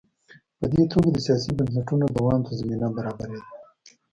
په دې توګه د سیاسي بنسټونو دوام ته زمینه برابرېده.